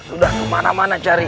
udah kemana mana cari